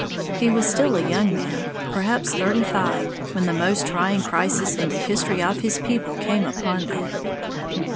He was still a young man, perhaps thirty five, when the most trying crisis in the history of his people came upon them.